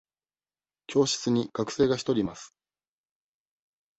教室に学生が一人います。